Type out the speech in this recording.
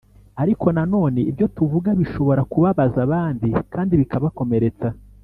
Ariko nanone ibyo tuvuga bishobora kubabaza abandi kandi bikabakomeretsa